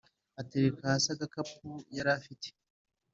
atereka hasi agakapu yarafite